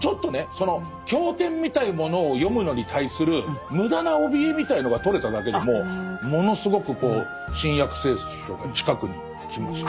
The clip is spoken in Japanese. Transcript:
その教典みたいなものを読むのに対する無駄なおびえみたいなのが取れただけでもものすごく「新約聖書」が近くに来ました。